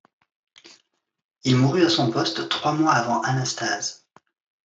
Il mourut à son poste trois mois avant Anastase.